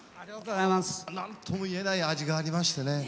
なんとも言えない味がありましてね。